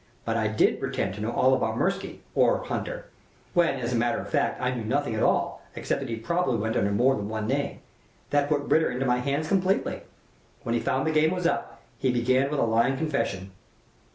But I did pretend to know all about Mirsky or Hunter when, as a matter of fact, I knew nothing at all, except that he probably went under more than one name. That put Ritter into my hands completely. When he found the game was up, he began with a lying confession.